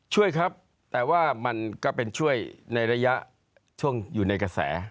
ช่วยครับแต่ว่ามันก็เป็นช่วยในระยะช่วงอยู่ในกระแส